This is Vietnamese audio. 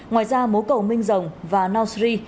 ngoài ra mố cầu minh rồng và nausri